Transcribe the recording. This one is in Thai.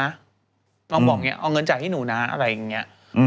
ลองบอกอย่างนี้เอาเงินจ่ายให้หนูนะอะไรอย่างนี้